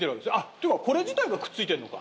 っていうかこれ自体がくっついてるのか。